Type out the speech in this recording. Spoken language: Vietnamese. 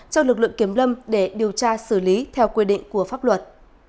cho lực lượng kiểm lâm để điều tra xử lý theo quy định của pháp luật